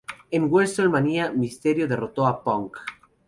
En WrestleMania, Mysterio derrotó a Punk.